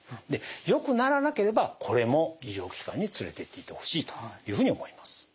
よくならなければこれも医療機関に連れていってほしいというふうに思います。